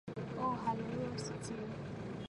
Ooh hallelujah usifiwe